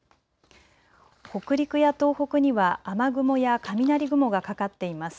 北陸や東北には雨雲や雷雲がかかっています。